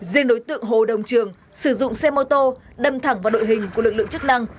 riêng đối tượng hồ đồng trường sử dụng xe mô tô đâm thẳng vào đội hình của lực lượng chức năng